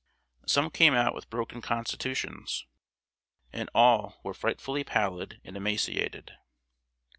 Some came out with broken constitutions, and all were frightfully pallid and emaciated.